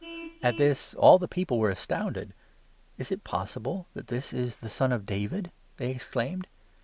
At this all the people were astounded. 23 "Is it possible that this is the son of David?" they exclaimed.